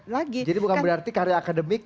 lagi jadi bukan berarti karya akademik